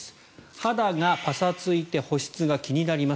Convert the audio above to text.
肌がパサついて保湿が気になります